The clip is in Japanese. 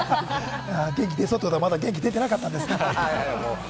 元気が出そうということは、まだ元気が出てなかったんですね。